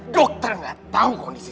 dokter gak tahu kondisi saya